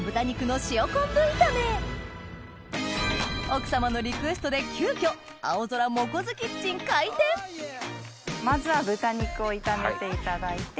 奥様のリクエストで急きょまずは豚肉を炒めていただいて。